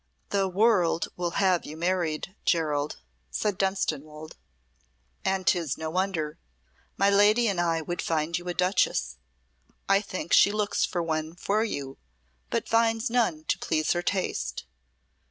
"The world will have you married, Gerald," said Dunstanwolde. "And 'tis no wonder! My lady and I would find you a Duchess. I think she looks for one for you, but finds none to please her taste.